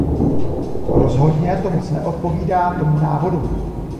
Rozhodně to moc neodpovídá tomu návodu.